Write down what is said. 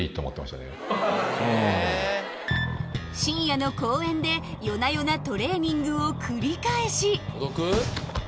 深夜の公園で夜な夜なトレーニングを繰り返し届く？